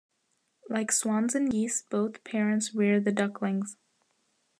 Like swans and geese both parents rear the ducklings.